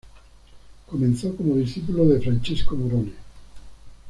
Comenzó como discípulo de Francesco Morone.